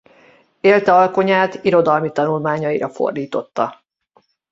Élte alkonyát irodalmi tanulmányaira fordította.